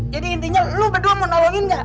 jadi intinya lo berdua mau nolongin gak